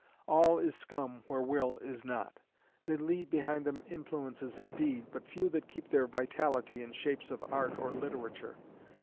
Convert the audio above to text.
All is scum where will is not. They leave behind them influences indeed, but few that keep their vitality in shapes of art or literature.